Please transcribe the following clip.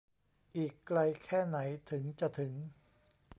อีกไกลแค่ไหนถึงจะถึง